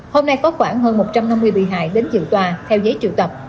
hôm nay có khoảng hơn một trăm năm mươi bị hại đến dự tòa theo giấy triệu tập